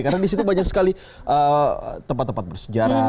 karena di situ banyak sekali tempat tempat bersejarah